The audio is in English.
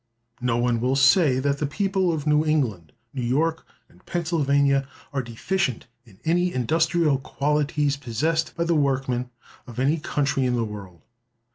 (367) No one will say that the people of New England, New York, and Pennsylvania, are deficient in any industrial qualities possessed by the workmen of any country in the world.